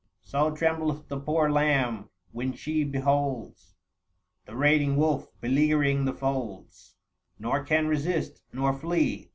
So trembleth the poor lamb when she beholds The raiding wolf beleaguering the folds, Nor can resist nor flee.